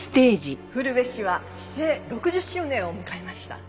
古辺市は市制６０周年を迎えました。